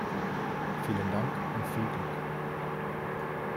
Vielen Dank und viel Glück.